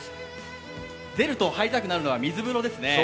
出ると入りたくなるのは水風呂ですね。